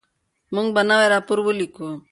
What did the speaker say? موږ به نوی راپور ولیکو.